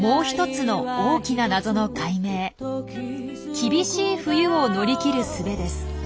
厳しい冬を乗り切るすべです。